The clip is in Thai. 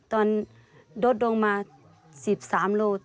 ตอนลดลงมา๑๓กิโลกรัม